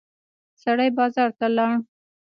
سړی بازار ته لاړ.